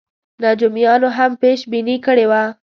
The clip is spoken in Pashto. نجومیانو هم پېش بیني کړې وه.